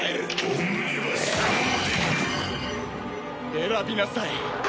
選びなさい